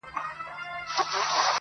حقيقت له کيسې نه لوی دی,